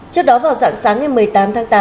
trước đó vào dạng sáng ngày một mươi tám tháng tám